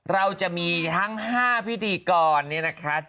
เราจะมีทั้ง๕พิธีกรเนี่ยนะคะ